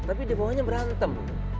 tapi di bawahnya berantem